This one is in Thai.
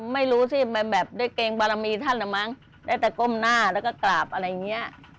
ไม่รู้สิมันแบบได้เกรงบารมีท่านเหรอมั้งได้แต่ก้มหน้าแล้วก็กราบอะไรอย่างนี้